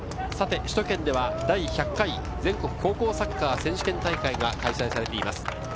首都圏では第１００回全国高校サッカー選手権大会が開催されています。